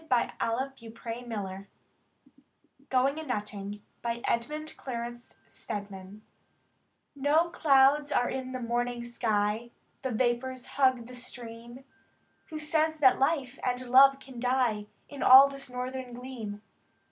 148 THE TREASURE CHEST GOING A NUTTING* Edmund Clarence Stedman No clouds are in the morning sky, The vapors hug the stream, — Who says that life and love can die In all this northern gleam?